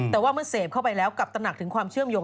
แต่ว่าเมื่อเสพเข้าไปแล้วกลับตระหนักถึงความเชื่อมโยง